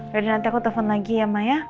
jadi nanti aku telepon lagi ya ma ya